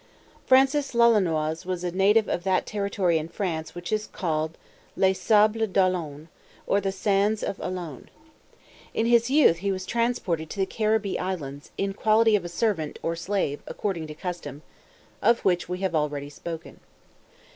_ FRANCIS LOLONOIS was a native of that territory in France which is called Les Sables d'Olone, or The Sands of Olone. In his youth he was transported to the Caribbee islands, in quality of servant, or slave, according to custom; of which we have already spoken.